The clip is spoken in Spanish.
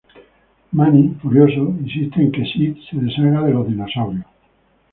Manny, furioso, insiste en que Sid se deshaga de los dinosaurios.